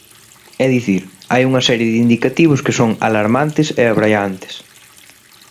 É dicir, hai unha serie de indicativos que son alarmantes e abraiantes.